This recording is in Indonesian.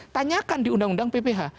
tanyakan di undang undang pph